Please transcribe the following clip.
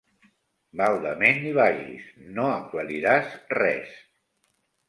Baldament hi vagis, no aclariràs res.